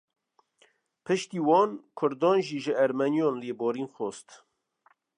Piştî wan, Kurdan jî ji Ermeniyan lêborîn xwest